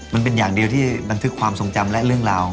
มันเป็นอย่างเดียวที่บันทึกความทรงจำและเรื่องราว